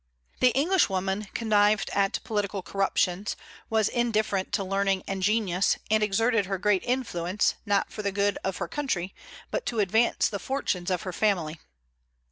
The Englishwoman connived at political corruptions, was indifferent to learning and genius, and exerted her great influence, not for the good of her country, but to advance the fortunes of her family.